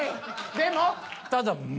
でも？